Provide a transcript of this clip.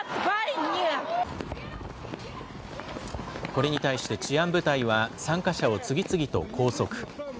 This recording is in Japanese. これに対して治安部隊は、参加者を次々と拘束。